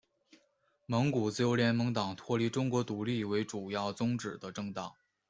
蒙古自由联盟党脱离中国独立为主要宗旨的政党。